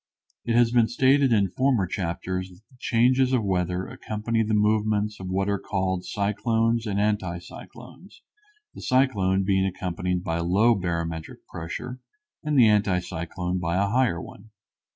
It has been stated in former chapters that the changes of weather accompany the movements of what are called cyclones and anti cyclones, the cyclone being accompanied by low barometric pressure and the anti cyclone by a higher one.